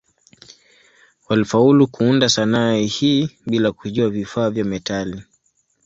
Walifaulu kuunda sanaa hii bila kujua vifaa vya metali.